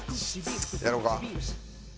やろうか。